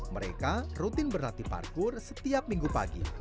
mereka rutin berlatih parkir setiap minggu pagi